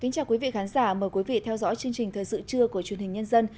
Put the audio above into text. chào mừng quý vị đến với bộ phim thời sự trưa của chương trình nhân dân